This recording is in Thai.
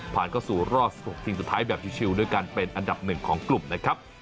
ผ่านเข้าสู่รอบ๑๖ทีมสุดท้ายแบบชิลด้วยกันเป็นอันดับหนึ่งของกลุ่มนะครับ